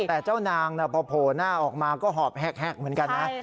แต่เจ้านางพอโผล่หน้าออกมาก็หอบแหกเหมือนกันนะ